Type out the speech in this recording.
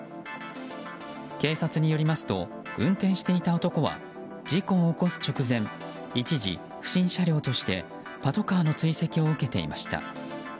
警察によりますと運転していた男は事故を起こす直前一時、不審車両としてパトカーの追跡を受けていました。